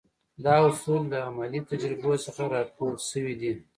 دا اصول له عملي تجربو څخه را ټول شوي دي.